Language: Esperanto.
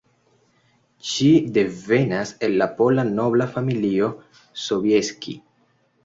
Ŝi devenas el la pola nobla familio Sobieski.